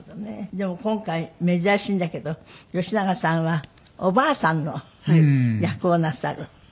でも今回珍しいんだけど吉永さんはおばあさんの役をなさる。